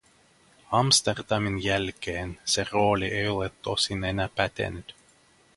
Amsterdamin jälkeen se rooli ei ole tosin enää pätenyt.